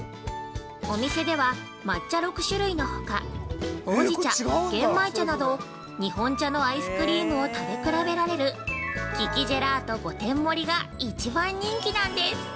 お店では抹茶６種類のほか、ほうじ茶、玄米茶など日本茶のアイスクリームを食べ比べられる「利きジェラート５点盛り」が一番人気なんです。